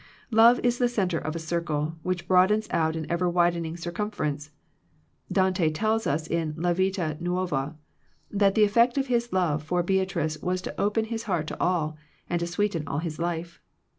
Love is the centre of a cir cle, which broadens out in ever widening circumference. Dante tells us in La Vita Nu(roa that the effect of his love for Bea« tnce was to open his heart to all, and to sweeten all his life.